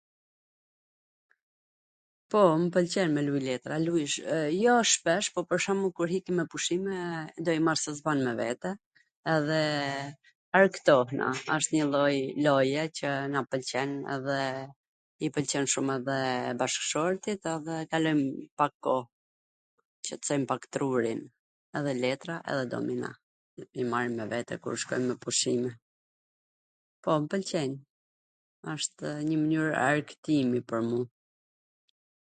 Po, mw pwlqen me luj letra, luj jo shpesh, po pwr shwmbull kur iki me pushime do i marr se s bwn me vete, edhe argtohna, wsht njw lloj loje qw na pwlqen dhe i pwlqen shum edhe bashkshortit edhe kalojm pak koh, qetsojm pak trurin, edhe letra edhe domina, i marrim me vete kur shkojm me pushime. Po, m pwlqejn, wshtw njw mnyr argtimi pwr mu.